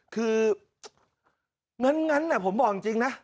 คือเงินผมบอกจริงนะ